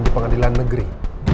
di pengadilan negeri